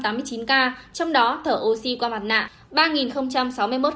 trong đó thở oxy qua mặt nạ ba sáu mươi một